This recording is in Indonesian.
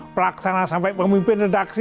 pelaksana sampai pemimpin redaksi